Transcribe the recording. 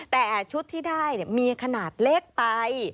แต่ชุดที่ได้มีขนาดเล็กไป